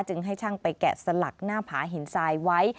ให้ช่างไปแกะสลักหน้าผาหินทรายไว้